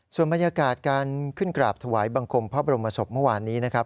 ส่วนบรรยากาศการขึ้นกราบถวายบังคมพระบรมศพเมื่อวานนี้นะครับ